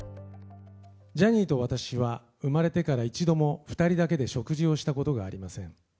ジャニーと私は生まれてから一度も２人だけで食事をしたことがありません。